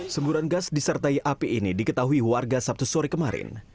semburan gas disertai api ini diketahui warga sabtu sore kemarin